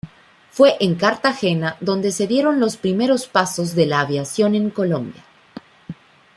Fue en Cartagena donde se dieron los primeros pasos de la aviación en Colombia.